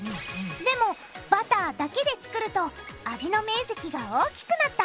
でもバターだけで作ると味の面積が大きくなった。